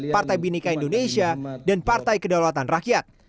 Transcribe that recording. partai binika indonesia dan partai kedaulatan rakyat